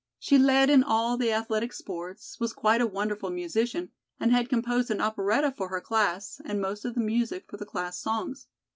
She led in all the athletic sports, was quite a wonderful musician and had composed an operetta for her class and most of the music for the class songs.